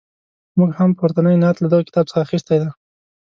موږ هم پورتنی نعت له دغه کتاب څخه اخیستی دی.